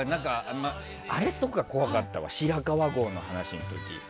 あれとか怖かったわ白川郷の話の時。